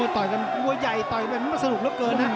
ต่อยกันมันไม่สนุกเหลือเกินนะ